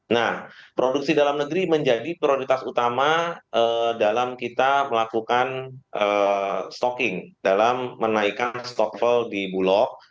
nah produksi dalam negeri menjadi prioritas utama dalam kita melakukan stocking dalam menaikkan stokfel di bulog